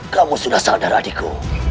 kamu sudah sadar adikku